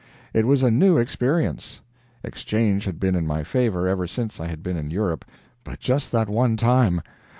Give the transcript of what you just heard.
It was a new experience. Exchange had been in my favor ever since I had been in Europe, but just that one time.